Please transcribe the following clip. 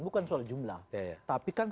bukan soal jumlah tapi kan